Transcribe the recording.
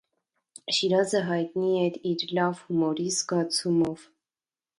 Շիրազը հայտնի էր իր լավ հումորի զգացումով։